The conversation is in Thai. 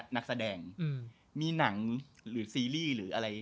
ยากทำอะไรดูเป็นทางหนังหรือซีรีส์หรืออะไร